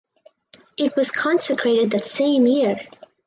It was consecrated that same year.